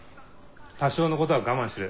多少のことは我慢しろよ。